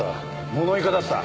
モノイカだった。